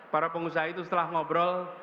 para pengusaha itu setelah ngobrol